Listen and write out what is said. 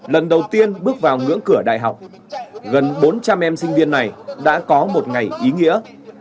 lần đầu tiên bước vào ngưỡng cửa đại học gần bốn trăm linh em sinh viên này đã có một ngày ý nghĩa